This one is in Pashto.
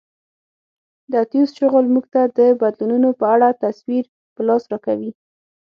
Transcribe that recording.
د اتیوس شغل موږ ته د بدلونونو په اړه تصویر په لاس راکوي